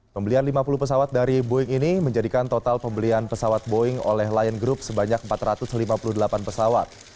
pembelian lima puluh pesawat dari boeing ini menjadikan total pembelian pesawat boeing oleh lion group sebanyak empat ratus lima puluh delapan pesawat